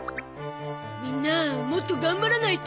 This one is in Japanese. みんなもっと頑張らないと。